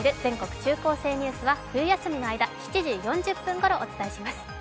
中高生ニュース」は冬休みの間、７時４０分ごろ、お伝えします。